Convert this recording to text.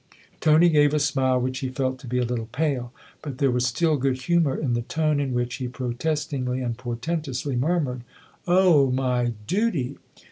Tony gave a smile which he felt to be a little pale ; but there was still good humour in the tone in which he protestingly and portentously murmured :" Oh, my 'duty'